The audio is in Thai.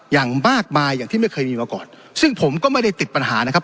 อย่างมากมายอย่างที่ไม่เคยมีมาก่อนซึ่งผมก็ไม่ได้ติดปัญหานะครับ